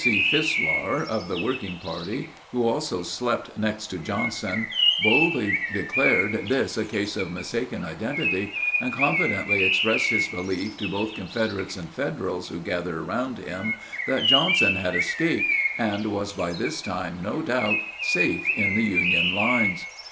C. Fislar (of the working party), who also slept next to Johnson, boldly declared this a case of mistaken identity, and confidently expressed his belief to both Confederates and Federals who gathered around him that Johnson had escaped, and was by this time, no doubt, safe in the Union lines.